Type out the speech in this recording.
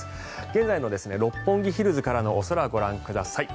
現在の六本木ヒルズからのお空ご覧ください。